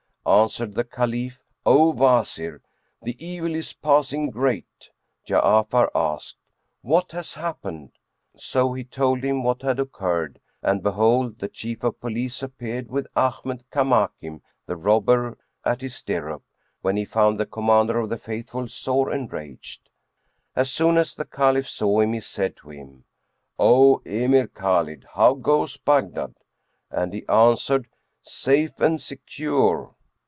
Answered the Caliph, "O Wazir, the evil is passing great!" Ja'afar asked, "What has happened?" so he told him what had occurred; and, behold, the Chief of Police appeared with Ahmad Kamakim the robber at his stirrup, when he found the Commander of the Faithful sore enraged. As soon as the Caliph saw him, he said to him, "O Emir Khбlid, how goes Baghdad?" And he answered, "Safe and secure."